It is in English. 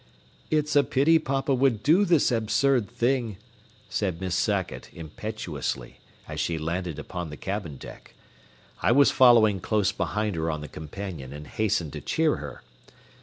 "It's a pity papa will do this absurd thing," said Miss Sackett, impetuously, as she landed upon the cabin deck. I was following close behind her on the companion and hastened to cheer her.